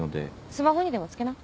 スマホにでもつけな。